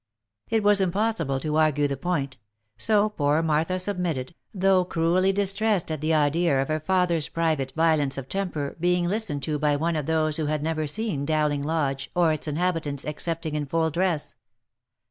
It was impossible to argue the point ; so poor Martha submitted, though cruelly distressed at the idea of her father's private violence of temper being listened to by one of those who had never seen Dowling Lodge, or its inhabitants, excepting in full dress.